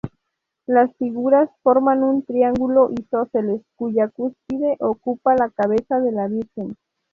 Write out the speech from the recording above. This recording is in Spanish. Las figuras forman un triángulo isósceles, cuya cúspide ocupa la cabeza de la Virgen.